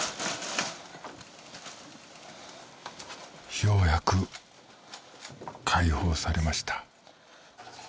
ようやく解放されました